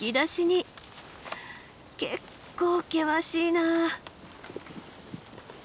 結構険しいな。